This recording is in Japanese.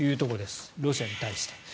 ロシアに対して。